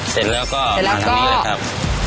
เสร็จแล้วก็มาทางนี้เลยครับ